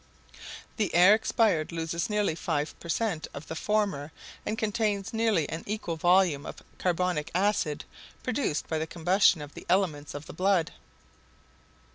The air expired loses nearly five per cent. of the former and contains nearly an equal volume of carbonic acid, produced by the combustion of the elements of the blood.